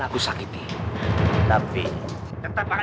jangan jangan jangan jangan jangan